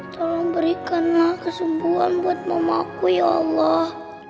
tolong berikanlah kesembuhan buat mamaku ya allah